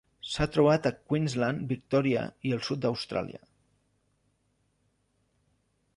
S'ha trobat a Queensland, Victòria i el sud d'Austràlia.